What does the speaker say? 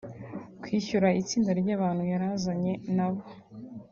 kwishyura itsinda ry’abantu yari yazanye na bo